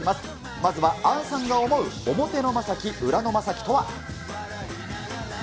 まずは杏さんが思表の将暉、裏の将暉とは。